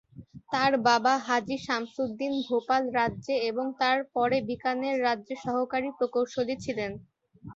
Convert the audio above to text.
তাঁর বাবা হাজী শামসুদ্দিন ভোপাল রাজ্যে এবং তার পরে বিকানের রাজ্যে সহকারী প্রকৌশলী ছিলেন।